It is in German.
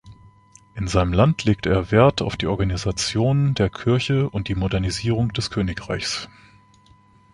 In seinem Land legte er Wert auf die Organisation der Kirche und die Modernisierung des Königreichs.